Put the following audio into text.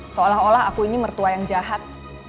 seolah olah aku ini mertua yang jahat